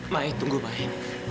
mai tunggu mai